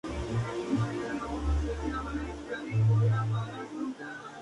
Es una variedad recomendada para el consumo en fresco de sus frutos.